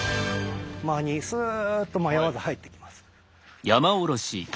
前にスーッと迷わず入ってきます。